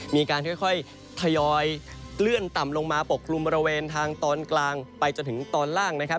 มีการค่อยทยอยเคลื่อนต่ำลงมาปกกลุ่มบริเวณทางตอนกลางไปจนถึงตอนล่างนะครับ